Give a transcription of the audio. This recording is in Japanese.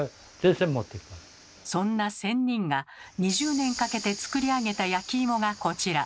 そんな仙人が２０年かけて作り上げた焼き芋がこちら。